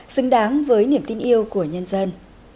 xứng đáng với niềm tin yêu của nhân dân